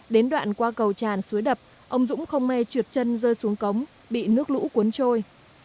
đến đoạn qua cầu tràn suối đập ông dũng không mê trượt chân rơi xuống cống bị nước lũ cuốn trôi